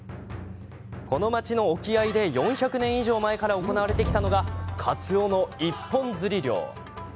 この町の沖合で４００年以上前から行われてきたのがかつおの一本釣り漁。